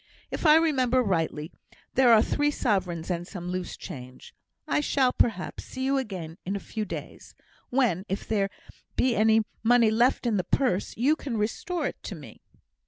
If I remember rightly, there are three sovereigns and some loose change; I shall, perhaps, see you again in a few days, when, if there be any money left in the purse, you can restore it to me."